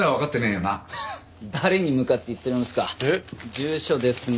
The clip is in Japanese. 住所ですね。